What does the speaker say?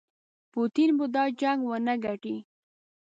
پوټین به دا جنګ ونه ګټي.